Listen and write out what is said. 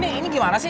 eh ini gimana sih